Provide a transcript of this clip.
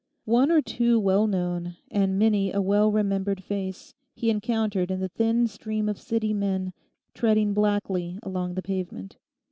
One or two well known and many a well remembered face he encountered in the thin stream of City men treading blackly along the pavement.